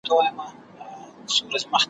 غيرتي ډبرين زړونه ,